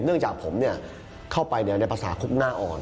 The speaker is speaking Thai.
เนื่องจากผมเนี่ยเข้าไปในประสาทคลุกหน้าอ่อน